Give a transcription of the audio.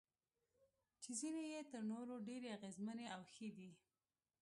چې ځینې یې تر نورو ډېرې اغیزمنې او ښې دي.